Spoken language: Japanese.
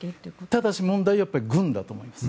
ただし問題は軍だと思います。